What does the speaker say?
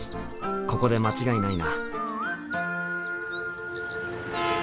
ここで間違いないな。